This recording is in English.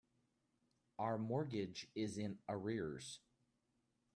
Our mortgage is in arrears.